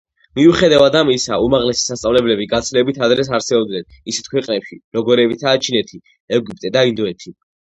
მიუხედავად ამისა, უმაღლესი სასწავლებლები გაცილებით ადრეც არსებობდნენ ისეთ ქვეყნებში, როგორებიცაა ჩინეთი, ეგვიპტე და ინდოეთი.